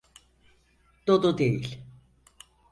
Dolu değil.